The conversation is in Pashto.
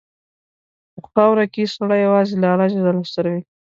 په خاوره کې سړی یوازې له الله سره وي.